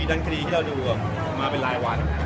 ดันคดีที่เราดูออกมาเป็นหลายวัน